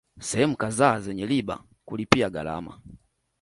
Sehemu kadhaa zenya riba kulipia gharama